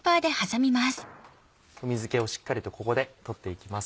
水気をしっかりとここで取っていきます。